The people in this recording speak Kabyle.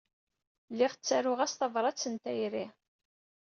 Lliɣ ttaruɣ-as tabrat n tayri.